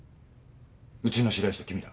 うちの白石と君ら。